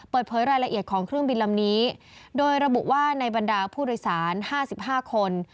เปิดเผยรายละเอียดของเครื่องบินลำนี้โดยระบุว่าในบรรดาผู้โดยสาร๕๕คน